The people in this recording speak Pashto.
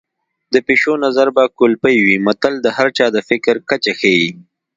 د پيشو نظر به کولپۍ وي متل د هر چا د فکر کچه ښيي